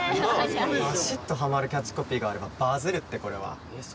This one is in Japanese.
バシっとハマるキャッチコピーがあればバズるってこれは。